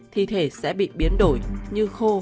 thi thể sẽ bị biến đổi như khô